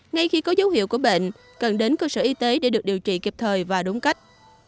ngay khi có dấu hiệu của bệnh cần đến cơ sở y tế để được điều trị kịp thời và đúng cách